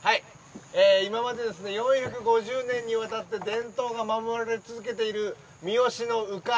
今まで、４５０年にわたって伝統が守られ続けている三次の鵜飼。